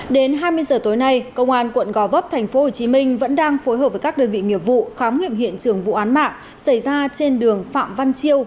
đến hai mươi giờ tối nay công an quận gò vấp tp hcm vẫn đang phối hợp với các đơn vị nghiệp vụ khám nghiệm hiện trường vụ án mạng xảy ra trên đường phạm văn chiêu